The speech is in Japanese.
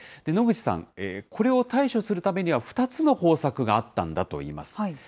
野口さん、これを対処するためには、２つの方策があったんだといいます。